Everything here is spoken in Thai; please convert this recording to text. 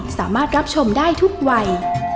สามารถรับชมได้ทุกวัย